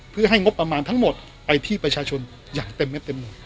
เพื่อให้งบประมาณทั้งหมดไปที่ประชาชนอย่างเต็มเม็ดเต็มหมด